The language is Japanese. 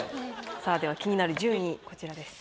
さぁでは気になる順位こちらです。